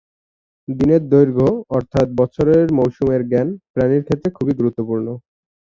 দিনের দৈর্ঘ্য, অর্থাৎ বছরের মৌসুমের জ্ঞান, প্রাণীর ক্ষেত্রে খুবই গুরুত্বপূর্ণ।